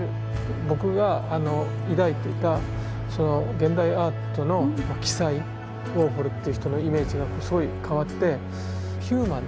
僕があの抱いていたその現代アートの奇才ウォーホルという人のイメージがすごい変わってヒューマンな